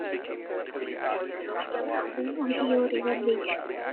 It is home to a major Norfolk Southern Ohio River Bridge.